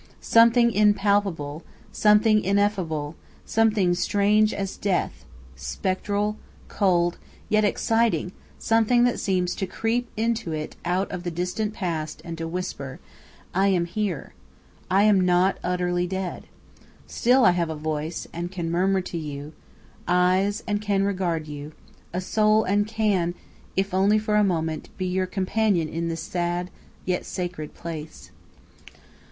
Something impalpable, something ineffable, something strange as death, spectral, cold, yet exciting, something that seems to creep into it out of the distant past and to whisper: "I am here. I am not utterly dead. Still I have a voice and can murmur to you, eyes and can regard you, a soul and can, if only for a moment, be your companion in this sad, yet sacred, place."